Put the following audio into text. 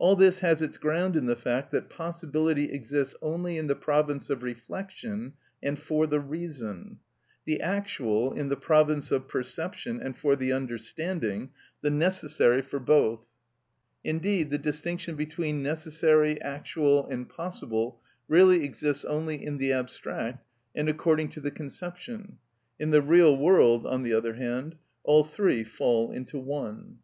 All this has its ground in the fact that possibility exists only in the province of reflection and for the reason; the actual, in the province of perception and for the understanding; the necessary, for both. Indeed, the distinction between necessary, actual, and possible really exists only in the abstract and according to the conception; in the real world, on the other hand, all three fall into one.